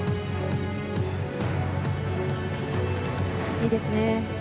いいですね。